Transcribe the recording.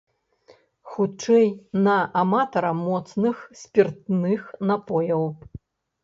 Хутчэй, на аматара моцных спіртных напояў.